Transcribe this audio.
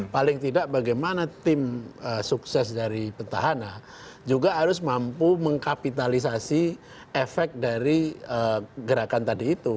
paling tidak bagaimana tim sukses dari petahana juga harus mampu mengkapitalisasi efek dari gerakan tadi itu